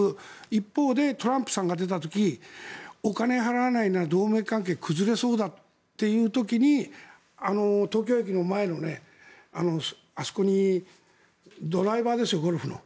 一方でトランプさんが出た時お金を払わないなら同盟関係が崩れそうだという時に東京駅の前のあそこにドライバーですよ、ゴルフの。